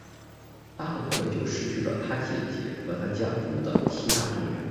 他很快就失去了他姐姐和他家族的其他成员。